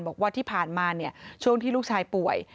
บอกว่าที่ผ่านมาช่วงที่ลูกชายป่วย